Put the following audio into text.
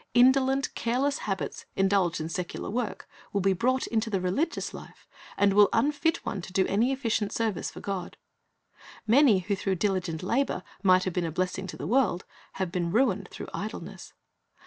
Indolent, careless habits, indulged in secular work, will be brought into the religious life, and will unfit one to do any efficient service for God. Many who through diligent labor might have been a blessing to the world, ha\e been ruined through idleness.